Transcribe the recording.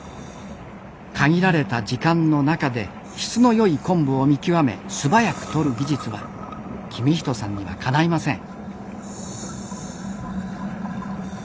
限られた時間の中で質の良い昆布を見極め素早くとる技術は公人さんにはかないません。